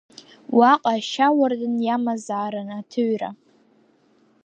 Уаҟа ашьауардын иамазаарын аҭыҩра.